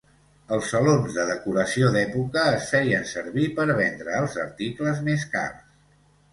Els salons de decoració d'època es feien servir per vendre els articles més cars.